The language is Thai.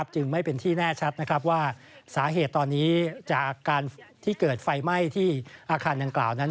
จึงไม่เป็นที่แน่ชัดว่าสาเหตุตอนนี้จากการที่เกิดไฟไหม้ที่อาคารดังกล่าวนั้น